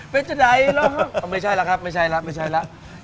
เป็นจะไหนไม่ใช่ล่ะครับ